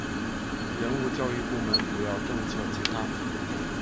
人物教育部门主要政策其他